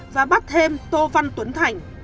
và bắt thêm tô văn tuấn thành